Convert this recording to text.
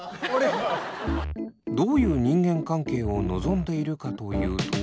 どういう人間関係を望んでいるかというと。